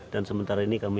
dan sementara ini kami